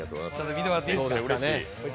見てもらっていいですか？